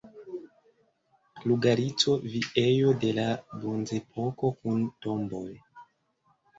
Lugarico Viejo de la Bronzepoko kun tomboj.